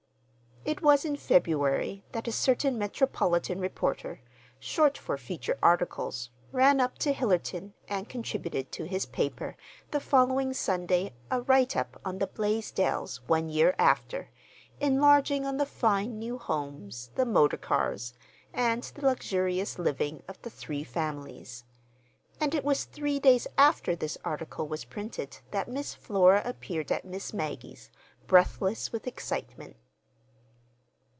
It was in February that a certain metropolitan reporter, short for feature articles, ran up to Hillerton and contributed to his paper, the following Sunday, a write up on "The Blaisdells One Year After," enlarging on the fine new homes, the motor cars, and the luxurious living of the three families. And it was three days after this article was printed that Miss Flora appeared at Miss Maggie's, breathless with excitement.